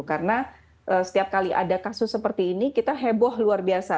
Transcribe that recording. karena setiap kali ada kasus seperti ini kita heboh luar biasa